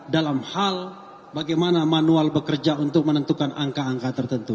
dalam hal bagaimana manual bekerja untuk menentukan angka angka tertentu